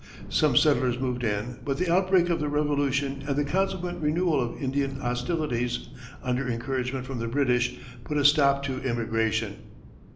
Some settlers moved in, but the outbreak of the Revolution and the consequent renewal of Indian hostilities under encouragement from the British put a stop to immigration.